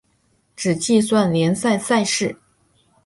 只计算联赛赛事。